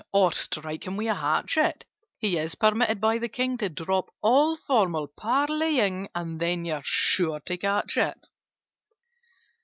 Or strike him with a hatchet, He is permitted by the King To drop all formal parleying— And then you're sure to catch it!